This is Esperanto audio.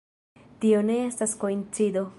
Tio ne estas koincido.